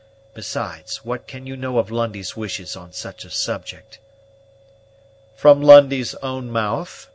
Besides, what can you know of Lundie's wishes on such a subject?" "From Lundie's own mouth.